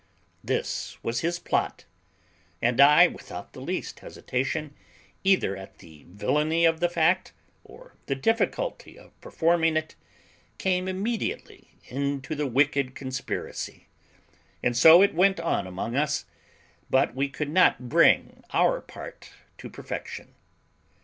This was his plot; and I, without the least hesitation, either at the villainy of the fact or the difficulty of performing it, came immediately into the wicked conspiracy, and so it went on among us; but we could not bring our part to perfection.